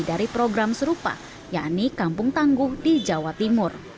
dari program serupa yakni kampung tangguh di jawa timur